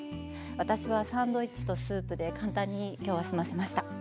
私はサンドイッチとスープで簡単にきょうは済ませました。